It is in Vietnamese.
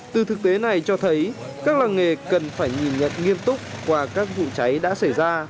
từ thực tế này cho thấy các làng nghề cần phải nhìn nhận nghiêm túc qua các vụ cháy đã xảy ra